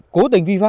cố tình vi phạm